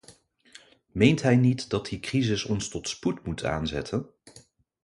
Meent hij niet dat die crisis ons tot spoed moet aanzetten?